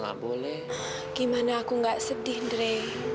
gimana aku gak sedih dre